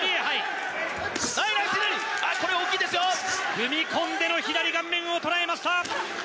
踏み込んでの左が顔面を捉えました。